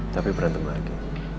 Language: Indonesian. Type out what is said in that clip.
tapi berantem lagi